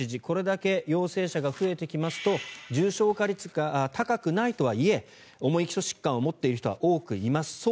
これだけ陽性者が増えてきますと重症化率が高くないとはいえ重い基礎疾患を持っている人は多くいます。